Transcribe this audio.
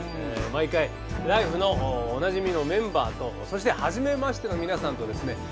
毎回「ＬＩＦＥ！」のおなじみのメンバーとそしてはじめましての皆さんとですね